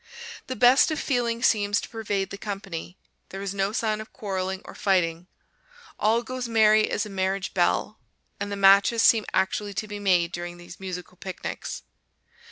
The best of feeling seems to pervade the company; there is no sign of quarreling or fighting; "all goes merry as a marriage bell," and the matches seem actually to be made during these musical picnics.